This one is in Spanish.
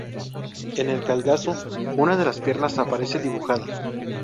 En el cadalso, una de las piernas aparece dibujada.